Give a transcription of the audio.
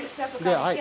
はい。